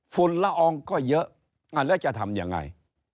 ฝุ่นละอองก็เยอะแล้วจะทำยังไง